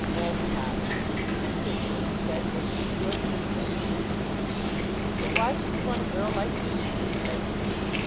Ashe nodded. "Continue," he said. "Proceed. You are stimulating me." "But why should you want a girl like me to stimulate you?